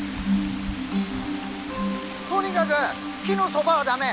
とにかぐ木のそばは駄目。